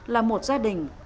là một gia đình